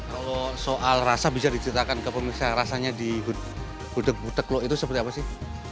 kalau soal rasa bisa diceritakan ke pemirsa rasanya di gudeg gudeg lok itu seperti apa sih